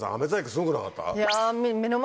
すごくなかった？